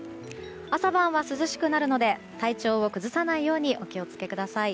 朝晩は涼しくなるので体調を崩さないようにお気を付けください。